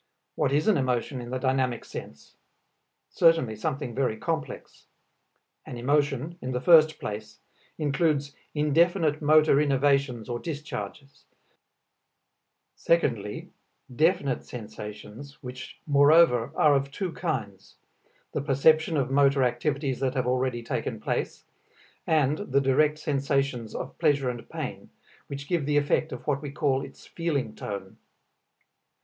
What is an emotion in the dynamic sense? Certainly something very complex. An emotion, in the first place, includes indefinite motor innervations or discharges; secondly, definite sensations which moreover are of two kinds, the perception of motor activities that have already taken place, and the direct sensations of pleasure and pain, which give the effect of what we call its feeling tone.